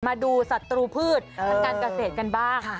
มาดูสัตว์ตรูพืชการเกษตรกันบ้าง